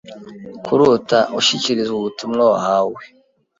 Kurota ushyikirizwa ubutumwa wahawe.